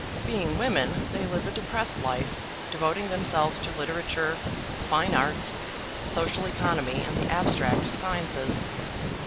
Being women they live a depressed life, devoting themselves to literature, fine arts, social economy, and the abstract sciences.